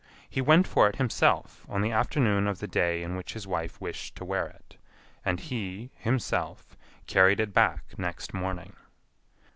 He went for it himself on the afternoon of the day on which his wife wished to wear it, and he, himself, carried it back next morning.